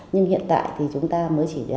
nhưng hiện tại chúng ta mới chỉ